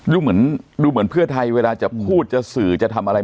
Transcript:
ดูเหมือนเพื่อไทยเวลาจะพูดจะสื่อจะทำอะไร